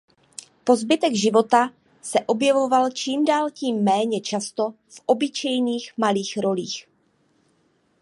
Po zbytek života se objevoval čím dál tím méně často v obyčejných malých rolích.